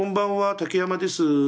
竹山です。